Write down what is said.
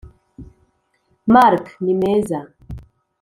marc : ni meza.